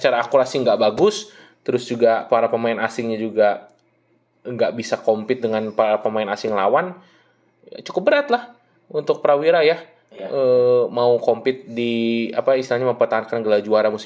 cuma yuda sama christian james